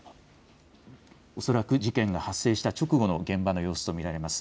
恐らく事件が発生した直後の現場の様子です。